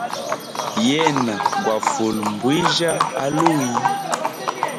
Yena gwa fule mbwijya aluyi.